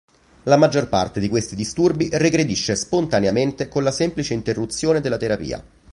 La maggior parte di questi disturbi regredisce spontaneamente con la semplice interruzione della terapia.